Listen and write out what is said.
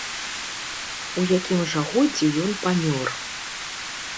У якім жа годзе ён памёр.